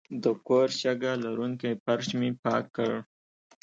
د کور شګه لرونکی فرش مې پاک کړ.